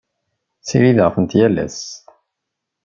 Ssirideɣ-ten yal ass.